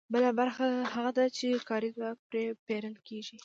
بله برخه هغه ده چې کاري ځواک پرې پېرل کېږي